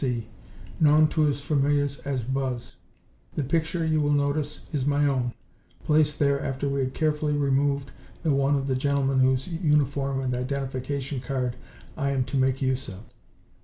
F.C., known to his familiars as 'Buzz.' The picture, you will notice, is my own, placed there after we had carefully removed the one of the gentleman whose uniform and identification card I am to make use of.